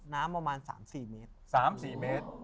น้ำประมาณ๓๔เมตร